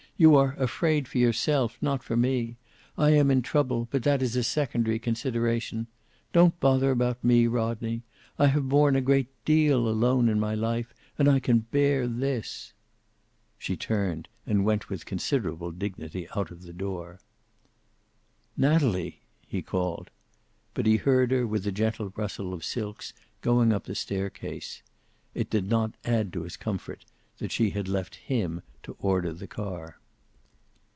You are afraid for yourself, not for me. I am in trouble, but that is a secondary consideration. Don't bother about me, Rodney. I have borne a great deal alone in my life, and I can bear this." She turned, and went with considerable dignity out of the door. "Natalie!" he called. But he heard her with a gentle rustle of silks going up the staircase. It did not add to his comfort that she had left him to order the car.